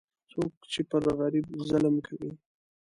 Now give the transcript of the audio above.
څوک چې پر غریب ظلم کوي،